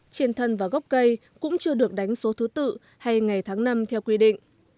trên thân và gốc cây cũng chưa được đánh số thứ tự hay ngày tháng năm theo quy định